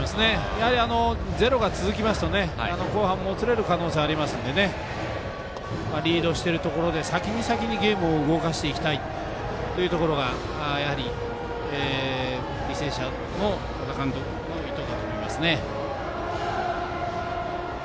やはり、ゼロが続きますと後半、もつれる可能性がありますので先に先にゲームを動かしていきたいというところが、やはり履正社の多田監督の意図だと思います。